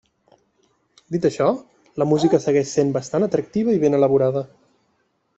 Dit això, la música segueix sent bastant atractiva i ben elaborada.